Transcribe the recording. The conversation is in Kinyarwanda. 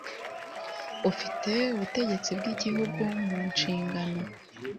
ufite Ubutegetsi bw Igihugu mu nshingano